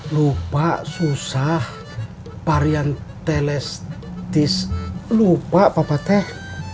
lupa susah parian telestis lupa papa teh